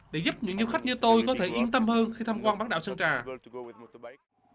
để giúp những du khách như tôi có thể yên tâm hơn khi tham quan bán đảo sơn trà